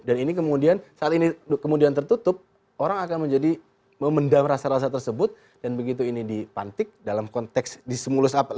dan ini kemudian saat ini kemudian tertutup orang akan menjadi memendam rasa rasa tersebut dan begitu ini dipantik dalam konteks itu